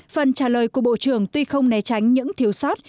phần trả lời của bộ trưởng tuy không né tránh những thiếu sót